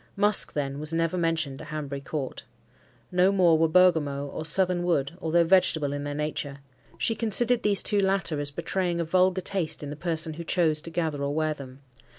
Musk, then, was never mentioned at Hanbury Court. No more were bergamot or southern wood, although vegetable in their nature. She considered these two latter as betraying a vulgar taste in the person who chose to gather or wear them.